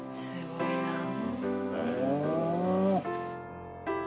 すごいな。